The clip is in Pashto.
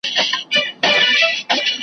شپه تیاره لاره اوږده ده ږغ مي نه رسیږي چاته .